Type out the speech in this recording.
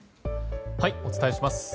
お伝えします。